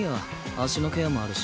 足のケアもあるし。